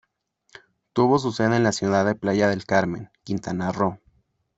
Tuvo su sede en la ciudad de Playa del Carmen, Quintana Roo.